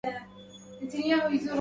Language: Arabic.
لبست صفية خرقة الفقراء